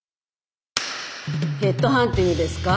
ヘッドハンティングですか？